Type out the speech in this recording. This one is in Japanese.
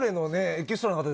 エキストラの方たち